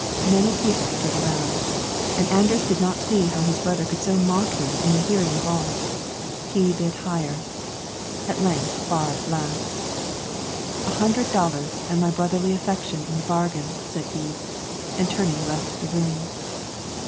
Many people stood around, and Anders did not see how his brother could so mock at him in the hearing of all; he bid higher. At length Baard laughed. "A hundred dollars and my brotherly affection in the bargain," said he, and turning left the room.